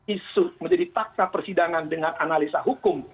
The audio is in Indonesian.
isu menjadi fakta persidangan dengan analisa hukum